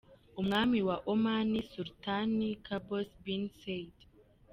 Umwami wa Oman, Sultan Qaboos bin Said